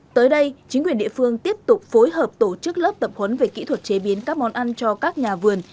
tới đây chính quyền địa phương tiếp tục phối hợp tổ chức lớp tập huấn về kỹ thuật chế biến các món ăn cho các nhà vườn